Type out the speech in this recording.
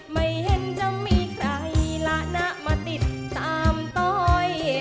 ไม่เห็นจะมีใครละนะมาติดตามต้อย